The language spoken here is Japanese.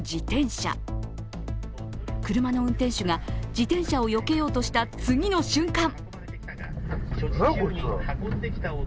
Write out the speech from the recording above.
車の運転手が自転車をよけようとした次の瞬間。